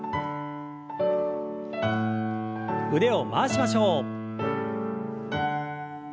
腕を回しましょう。